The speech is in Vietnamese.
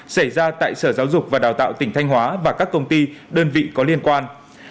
xảy ra tại sở giáo dục và đào tạo tỉnh thanh hóa và các công ty đơn vị có liên quan